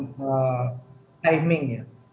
yang kedua ini hasil komunikasi dengan pimpinan dpr itu